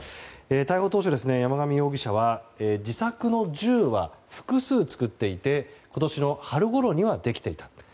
逮捕当初、山上容疑者は自作の銃は複数作っていて今年の春ごろにはできていた。